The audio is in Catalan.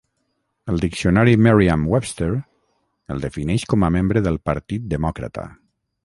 El diccionari Merriam-Webster el defineix com a membre del partit demòcrata.